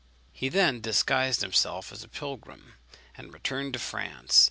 He then disguised himself as a pilgrim, and returned to France.